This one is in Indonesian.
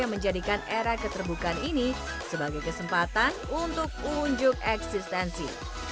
dengan era keterbukaan ini sebagai kesempatan untuk unjuk eksistensi